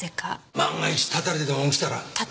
万が一たたりでも起きたら。